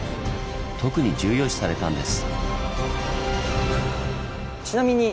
特に重要視されたんです。